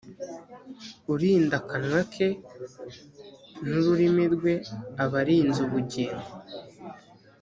urinda akanwa ke n’ururimi rwe aba arinze ubugingo